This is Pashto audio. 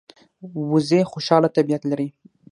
وزې خوشاله طبیعت لري